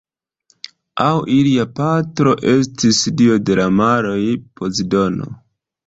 Aŭ ilia patro estis dio de la maroj Pozidono.